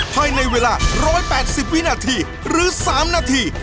ภายในเวลา๑๘๐วินาทีหรือ๓นาที